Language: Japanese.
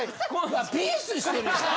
ピースしてるやん。